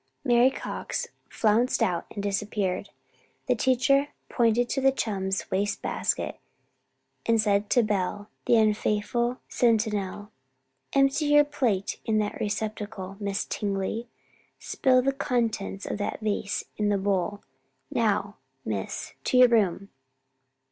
Mary Cox flounced out and disappeared. The teacher pointed to the chums' waste basket and said to Bell, the unfaithful sentinel: "Empty your plate in that receptacle, Miss Tingley. Spill the contents of that vase in the bowl. Now, Miss, to your room."